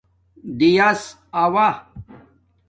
دیݳس اݸہ